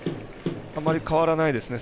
あまり変わらないですね。